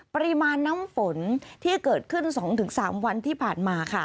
ปริมาณน้ำฝนที่เกิดขึ้น๒๓วันที่ผ่านมาค่ะ